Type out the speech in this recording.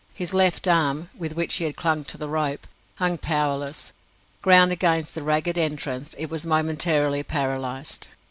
His left arm with which he clung to the rope hung powerless. Ground against the ragged entrance, it was momentarily paralysed.